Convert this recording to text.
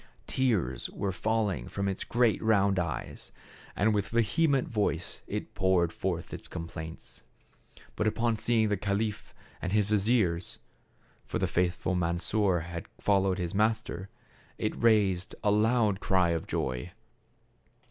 Tears were falling from its great round eyes, and with ve hement voice it poured forth its complaints. But upon seeing the caliph and his vizier — for the faithful Mansor had followed his master — it raised a loud cry of joy.